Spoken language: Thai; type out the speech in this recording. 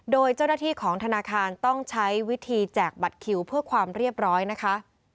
โดยเจ้าหน้าที่ของธนาคารต้องใช้วิธีแจกบัตรคิวเพื่อความเรียบร้อยนะคะ